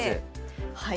はい。